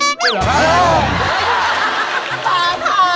ป่าข้า